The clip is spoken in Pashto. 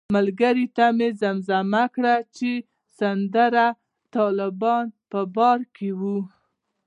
ملګرو ته یې زمزمه کړه چې سندره د طالبانو په باره کې وه.